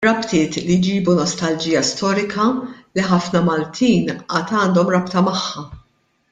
Rabtiet li jġibu nostalġija storika li ħafna Maltin għad għandhon rabta magħha.